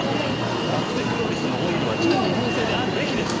バクテクロリスのオイルは純日本製であるべきです！